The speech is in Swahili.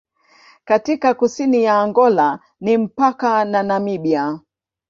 Katika kusini ya Angola ni mpaka na Namibia.